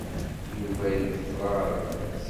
Yuba yebṭel aɣerbaz.